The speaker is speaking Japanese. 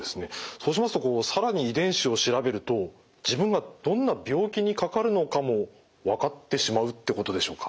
そうしますとこう更に遺伝子を調べると自分がどんな病気にかかるのかも分かってしまうってことでしょうか？